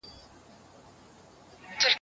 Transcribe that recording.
نه شاهین به یې له سیوري برابر کړي